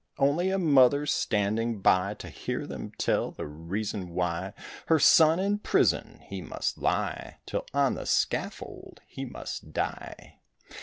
Only a mother standing by To hear them tell the reason why Her son in prison, he must lie Till on the scaffold he must die.